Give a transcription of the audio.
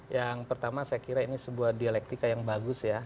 yang pertama saya kira ini sebuah dialektika yang bagus ya